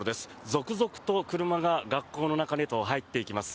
続々と車が学校の中へと入っていきます。